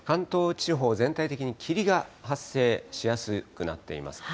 地方全体的に霧が発生しやすくなっています。